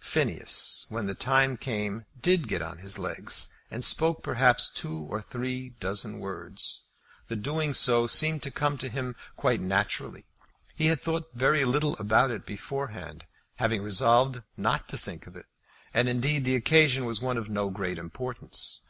Phineas, when the time came, did get on his legs, and spoke perhaps two or three dozen words. The doing so seemed to come to him quite naturally. He had thought very little about it beforehand, having resolved not to think of it. And indeed the occasion was one of no great importance.